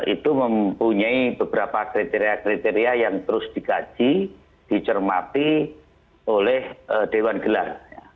itu mempunyai beberapa kriteria kriteria yang terus dikaji dicermati oleh dewan gelar